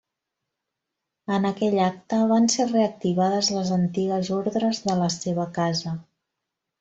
En aquell acte van ser reactivades les antigues Ordres de la seva Casa.